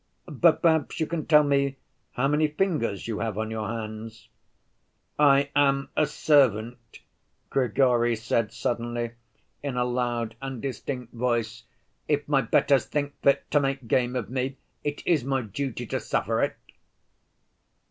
"But perhaps you can tell me how many fingers you have on your hands?" "I am a servant," Grigory said suddenly, in a loud and distinct voice. "If my betters think fit to make game of me, it is my duty to suffer it."